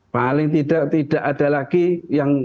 paling tidak tidak ada lagi yang